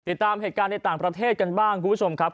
ติดตามเหตุการณ์ในต่างประเทศกันบ้างคุณผู้ชมครับ